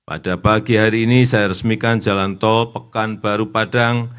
pada pagi hari ini saya resmikan jalan tol pekanbaru padang